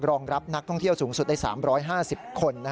รองรับนักท่องเที่ยวสูงสุดได้๓๕๐คน